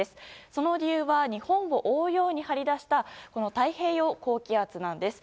その理由は日本を覆うように張り出したこの太平洋高気圧なんです。